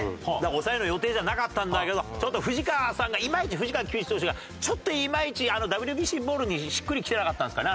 抑えの予定じゃなかったんだけど藤川さんがいまいち藤川球児投手がちょっといまいちＷＢＣボールにしっくりきてなかったんですかね